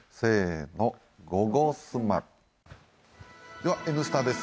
では「Ｎスタ」です。